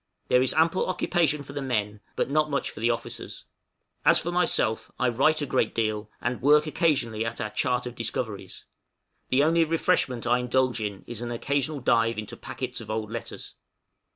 There is ample occupation for the men but not much for the officers; as for myself, I write a great deal, and work occasionally at our chart of discoveries; the only refreshment I indulge in is an occasional dive into packets of old letters.